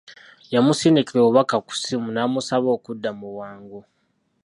Yamusindikira obubaka ku ssimu n'amusaba okudda mu bwangu.